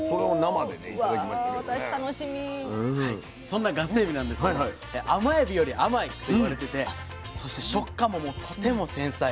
そんなガスエビなんですけど甘エビより甘いといわれててそして食感もとても繊細。